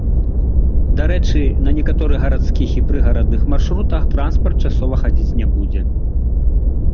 Дарэчы, на некаторых гарадскіх і прыгарадных маршрутах транспарт часова хадзіць не будзе.